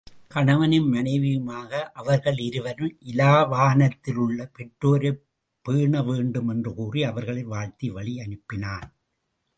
கணவனும் மனைவியுமாக அவர்களிருவரும் இலாவாணத்திலுள்ள பெற்றோரைப் பேண வேண்டுமென்று கூறி அவர்களை வாழ்த்தி வழி அனுப்பினான்.